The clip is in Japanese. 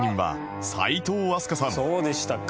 そうでしたか。